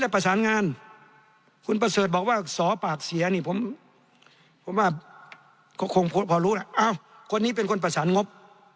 ผมว่าคงพอรู้แล้วอ้าวคนนี้เป็นคนประสานงบ